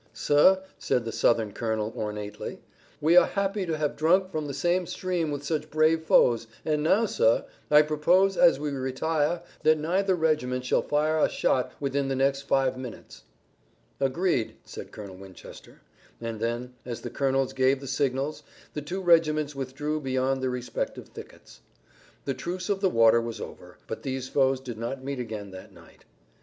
"Sir," said the Southern colonel ornately, "we are happy to have drunk from the same stream with such brave foes, and now, sir, I propose as we retire that neither regiment shall fire a shot within the next five minutes." "Agreed," said Colonel Winchester, and then as the colonels gave the signals the two regiments withdrew beyond their respective thickets. The truce of the water was over, but these foes did not meet again that night.